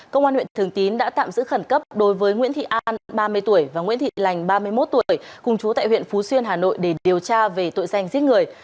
công an huyện thường tín đã tạm giữ khẩn cấp đối với nguyễn thị an ba mươi tuổi và nguyễn thị lành ba mươi một tuổi cùng chú tại huyện phú xuyên hà nội để điều tra về tội danh giết người